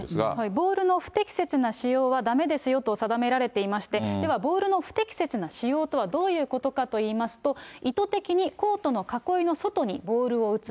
ボールの不適切な使用はだめですよと定められていまして、ではボールの不適切な使用とはどういうことかといいますと、意図的にコートの囲いの外にボールを打つ。